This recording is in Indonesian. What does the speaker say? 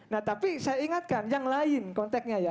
nah tapi saya ingatkan yang lain konteknya ya